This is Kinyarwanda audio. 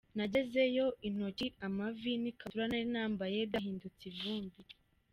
Nagezeyo intoki, amavi n’ikabutura nari nambaye byahindutse ivumbi.